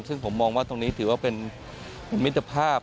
ซึ่งผมมองว่าตรงนี้ถือว่าเป็นมิตรภาพ